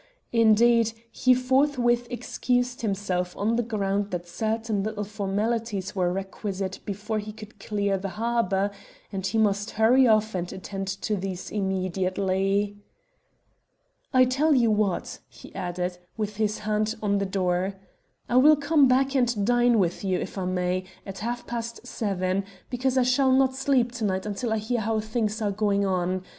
Indeed, he forthwith excused himself on the ground that certain little formalities were requisite before he could clear the harbour, and he must hurry off to attend to these immediately. "I tell you what," he added, with his hand on the door, "I will come back and dine with you, if I may, at half past seven, because I shall not sleep to night until I hear how things are going on.